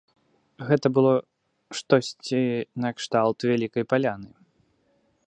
Гэта было штосьці накшталт вялікай паляны.